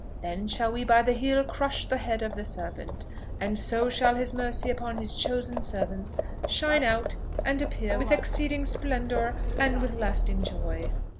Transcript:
Then shall we by the heel crush the head of the serpent, and so shall his mercy upon his chosen servants shine out and appear with exceeding splendour and with lasting joy!"